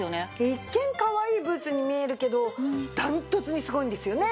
一見かわいいブーツに見えるけどダントツにすごいんですよね？